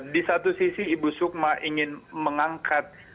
di satu sisi ibu sukma ingin mengangkat